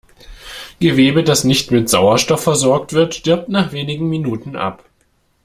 Gewebe, das nicht mit Sauerstoff versorgt wird, stirbt nach wenigen Minuten ab.